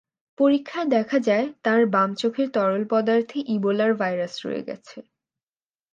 পরীক্ষায় দেখা যায়, তাঁর বাম চোখের তরল পদার্থে ইবোলার ভাইরাস রয়ে গেছে।